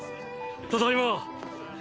ただいま。